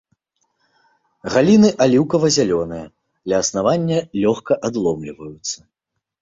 Галіны аліўкава-зялёныя, ля аснавання лёгка адломліваюцца.